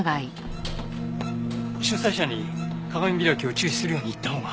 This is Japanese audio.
主催者に鏡開きを中止するように言ったほうが。